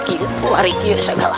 kikul lari kikir segala